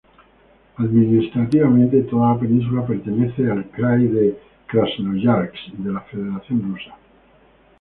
Administrativamente, toda la península pertenece al Krai de Krasnoyarsk de la Federación de Rusia.